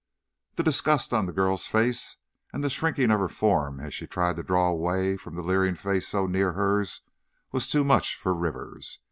The disgust on the girl's face, and the shrinking of her form as she tried to draw away from the leering face so near hers was too much for Rivers.